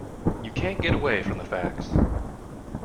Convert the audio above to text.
You can't get away from the facts.